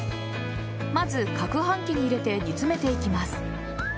まず、攪拌機に入れて煮詰めていきます。